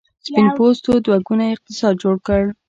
سپین پوستو دوه ګونی اقتصاد جوړ کړ.